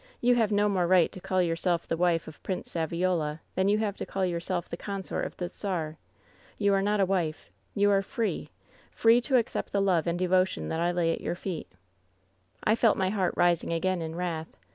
You have no more right to call yourself the wife of Prince Saviola than you have to call yourself the consort of the czar. You are not a wife. You are free — ^free to accept the love and devotion that I lay at your feet.' "I felt my heart rising again in wrath.